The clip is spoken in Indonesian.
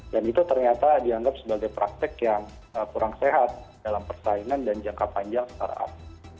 dan itu ternyata dianggap sebagai praktek yang kurang sehat dalam persaingan dan jangka panjang startup